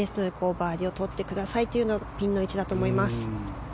バーディーをとってくださいというようなピンの位置だと思います。